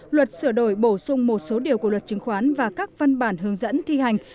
luật sửa đổi bổ sung một số điều của luật chứng khoán và các văn bản hướng dẫn thi hành